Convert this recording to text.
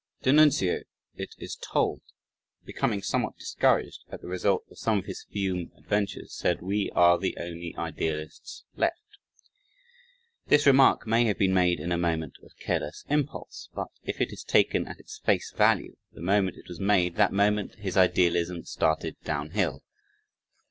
d'Annunzio, it is told, becoming somewhat discouraged at the result of some of his Fiume adventures said: "We are the only Idealists left." This remark may have been made in a moment of careless impulse, but if it is taken at its face value, the moment it was made that moment his idealism started downhill.